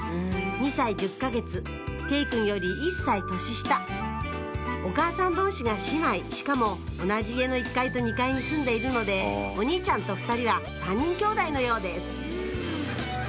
２歳１０か月慶くんより１歳年下お母さん同士が姉妹しかも同じ家の１階と２階に住んでいるのでお兄ちゃんと２人は３人兄弟のようです